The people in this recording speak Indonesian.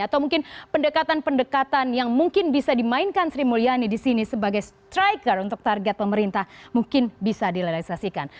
atau mungkin pendekatan pendekatan yang mungkin bisa dimainkan sri mulyani di sini sebagai striker untuk target pemerintah mungkin bisa direalisasikan